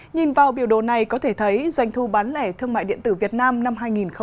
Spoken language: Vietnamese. nhìn vào biểu đồ này có thể thấy doanh thu bán lẻ thương mại điện tử việt nam năm hai nghìn một mươi chín